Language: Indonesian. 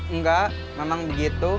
enggak memang begitu